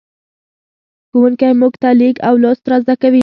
ښوونکی موږ ته لیک او لوست را زدهکوي.